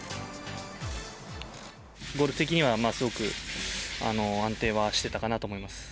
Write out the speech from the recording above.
ゴルフ的にはすごく安定はしていたかなと思います。